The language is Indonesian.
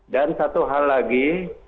dan satu hal lagi